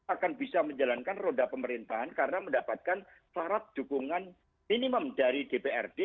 akan bisa menjalankan roda pemerintahan karena mendapatkan syarat dukungan minimum dari dprd